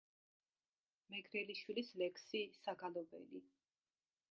მეგრელიშვილის ლექსი „საგალობელი“.